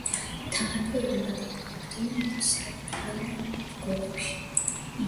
თავდაპირველად იღებდნენ სარეკლამო რგოლებში.